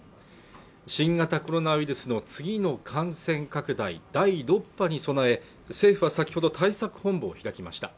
新型コロナウイルスの次の感染拡大第６波に備え政府は先ほど対策本部を開きました